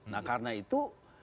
nah karena itu